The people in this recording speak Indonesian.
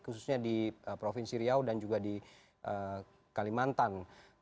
khususnya di provinsi riau dan juga di kalimantan